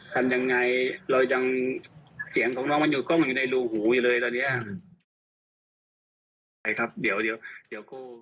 ทำยังไงเรายังเสียงของน้องมันอยู่ในรูหูอยู่เลยตอนนี้